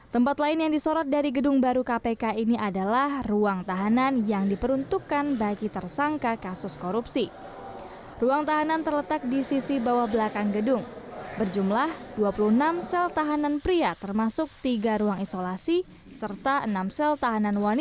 tempat lain yang disorot dari gedung baru ini adalah tempat yang digunakan untuk melakukan pertemuan atau acara resmi lainnya